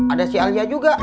ada si alia juga